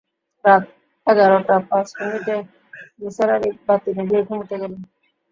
রাত এগারটা পাঁচ মিনিটে নিসার আলি বাতি নিভিয়ে ঘুমুতে গেলেন।